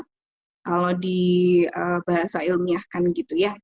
kita bisa menggambarkan bahasa ilmiahkan gitu ya